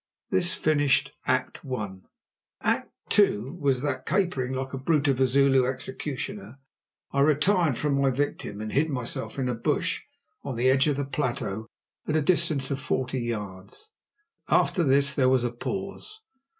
This finished Act 1. Act 2 was that, capering like a brute of a Zulu executioner, I retired from my victim and hid myself in a bush on the edge of the plateau at a distance of forty yards. After this there was a pause.